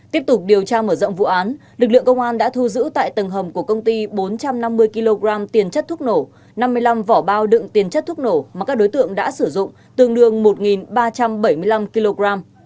tiếp tục điều tra mở rộng vụ án lực lượng công an đã thu giữ tại tầng hầm của công ty bốn trăm năm mươi kg tiền chất thuốc nổ năm mươi năm vỏ bao đựng tiền chất thuốc nổ mà các đối tượng đã sử dụng tương đương một ba trăm bảy mươi năm kg